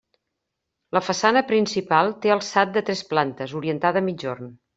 La façana principal té alçat de tres plantes, orientada a migjorn.